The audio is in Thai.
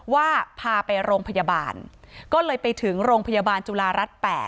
ว่าพาไปโรงพยาบาลก็เลยไปถึงโรงพยาบาลจุฬารัฐ๘